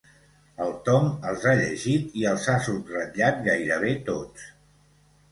El Tom els ha llegit i els ha subratllat gairebé tots.